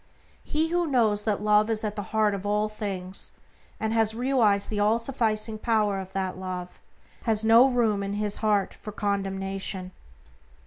He who knows that Love is at the heart of all things, and has realized the all sufficing power of that Love, has no room in his heart for condemnation.